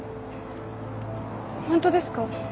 本当ですか？